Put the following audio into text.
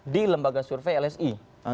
di lembaga survei lsi